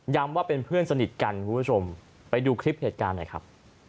ว่าเป็นเพื่อนสนิทกันคุณผู้ชมไปดูคลิปเหตุการณ์หน่อยครับ